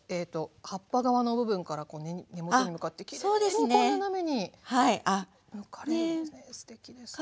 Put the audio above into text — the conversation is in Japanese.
葉っぱ側の部分から根元に向かってきれいにこう斜めにむかれるんですね